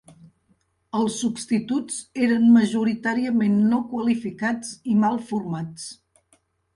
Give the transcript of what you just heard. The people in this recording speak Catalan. Els substituts eren majoritàriament no qualificats i mal formats.